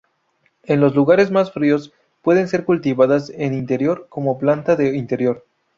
En los lugares más fríos pueden ser cultivadas en interior como planta de interior.